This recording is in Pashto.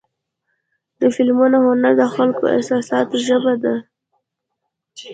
د فلمونو هنر د خلکو د احساساتو ژبه ده.